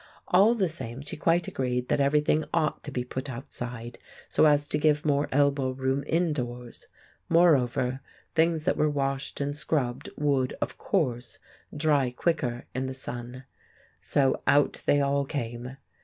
All the same, she quite agreed that everything ought to be put outside, so as to give more elbow room indoors; moreover, things that were washed and scrubbed would, of course, dry quicker in the sun. So out they all came!